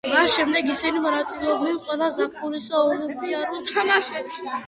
მას შემდეგ ისინი მონაწილეობდნენ ყველა ზაფხულის ოლიმპიურ თამაშებში.